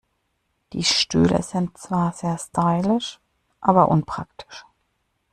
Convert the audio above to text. Die Stühle sind zwar sehr stylisch, aber unpraktisch.